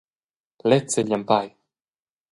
Lez seglia en pei.